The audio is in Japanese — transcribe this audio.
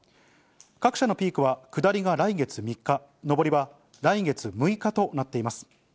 各社のピークは、下りが来月３日、上りは来月６日となっています。